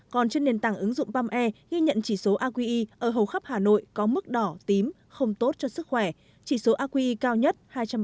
còn trên nền tảng ứng dụng bam e ghi nhận chỉ số aqi ở hầu khắp hà nội có mức đỏ tím không tốt cho sức khỏe chỉ số aqi cao nhất hai trăm bảy mươi bảy